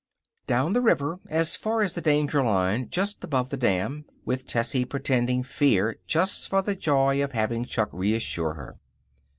Down the river as far as the danger line just above the dam, with Tessie pretending fear just for the joy of having Chuck reassure her.